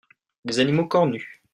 Des animaux cornus.